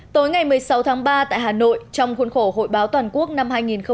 tối ngày một mươi sáu tháng ba tại hà nội trong khuôn khổ hội báo toàn quốc năm hai nghìn hai mươi